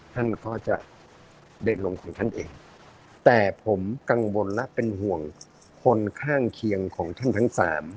ท่านก็จะเด็ดลงของท่านเองแต่ผมกังวลและเป็นห่วงคนข้างเคียงของท่านทั้งสาม